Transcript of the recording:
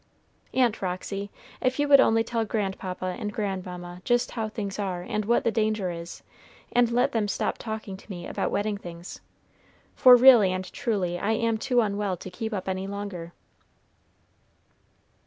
Aunt Roxy, if you would only tell grandpapa and grandmamma just how things are, and what the danger is, and let them stop talking to me about wedding things, for really and truly I am too unwell to keep up any longer."